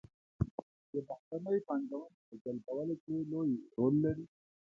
د بهرنۍ پانګونې په جلبولو کې لوی رول لري.